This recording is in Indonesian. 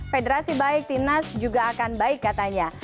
federasi baik timnas juga akan baik katanya